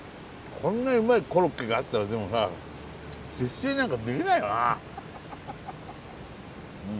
こんなにうまいコロッケがあったらでもさ節制なんかできないよな。